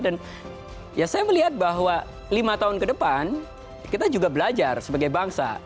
dan saya melihat bahwa lima tahun ke depan kita juga belajar sebagai bangsa